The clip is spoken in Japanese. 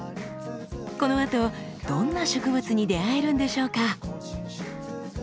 このあとどんな植物に出会えるんでしょうか？